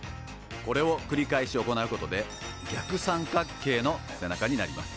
これをくり返し行うことで逆三角形の背中になります。